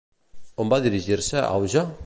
On va dirigir-se Auge?